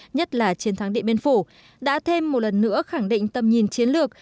nhất là chiến thắng điện biên phủ đã thêm một lần nữa khẳng định tầm nhìn chiến lược